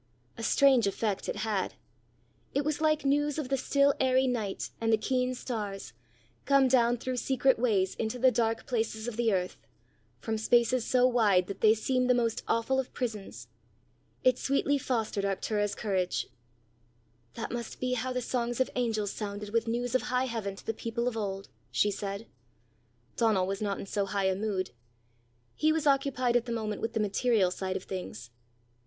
A strange effect it had! it was like news of the still airy night and the keen stars, come down through secret ways into the dark places of the earth, from spaces so wide that they seem the most awful of prisons! It sweetly fostered Arctura's courage. "That must be how the songs of angels sounded, with news of high heaven, to the people of old!" she said. Donal was not in so high a mood. He was occupied at the moment with the material side of things.